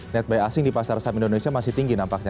netbuy asing di pasar saham indonesia masih tinggi nampaknya